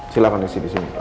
silahkan isi disini pak